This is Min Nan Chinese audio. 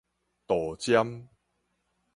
度針